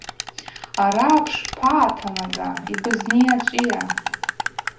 Араъа бшпагӏатанага, йбызни ачӏвыйа?